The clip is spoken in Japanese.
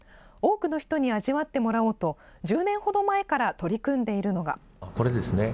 多くの人に味わってもらおうと、１０年ほど前から取り組んでいるのが。